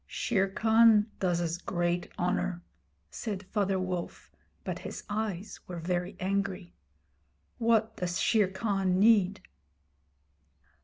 'Shere Khan does us great honour,' said Father Wolf, but his eyes were very angry. 'What does Shere Khan need?'